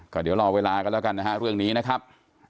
ก็เดี๋ยวรอเวลากันแล้วกันนะฮะเรื่องนี้นะครับ